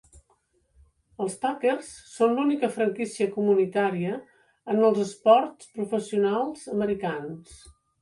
Els Packers són l'única franquícia comunitària en els esports professionals americans.